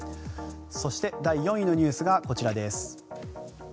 そして第４位のニュースがこちらです。